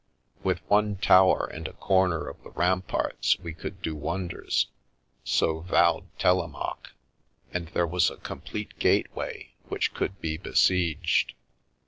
With one tower and a corner of the ram parts we could do wonders, so vowed Telemaque, and there was a complete gateway, which could be besieged.